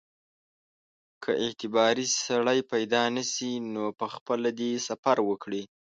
که اعتباري سړی پیدا نه شي نو پخپله دې سفر وکړي.